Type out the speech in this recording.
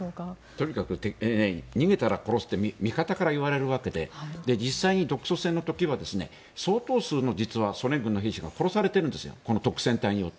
とにかく逃げたら殺すって味方から言われるわけで実際に独ソ戦の時には相当数の、実はソ連軍の兵士が殺されているんですよ